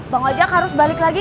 bang ojek harus balik lagi